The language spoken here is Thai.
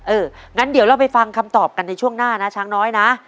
งั้นเดี๋ยวเราไปฟังคำตอบกันในช่วงหน้านะช้างน้อยนะ